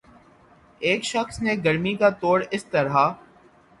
ایک شخص نے گرمی کا توڑ اس طرح